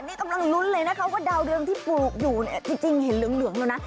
นี่กำลังลุ้นเลยนะคะว่าดาวเรืองที่ปลูกอยู่เนี่ยจริงเห็นเหลืองแล้วนะ